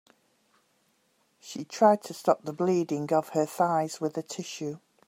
She tried to stop the bleeding of her thighs with a tissue.